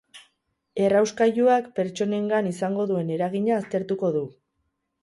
Errauskailuak pertsonengan izango duen eragina aztertuko du.